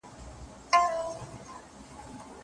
ناوړه دودونه د ځوانانو راتلونکی خرابوي.